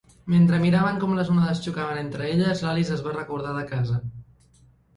Mentre miraven com les onades xocaven entre elles, l'Alice es va recordar de casa.